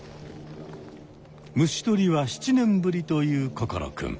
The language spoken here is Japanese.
虫とりは７年ぶりという心くん。